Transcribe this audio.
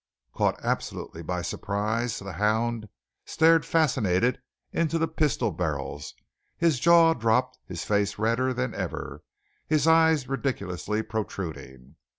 Caught absolutely by surprise, the "Hound" stared fascinated into the pistol barrels, his jaw dropped, his face redder than ever, his eyes ridiculously protruding.